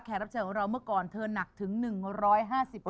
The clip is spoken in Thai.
แขกรับเจอร์ของเราเมื่อก่อนเธอหนักถึง๑๕๐กิโล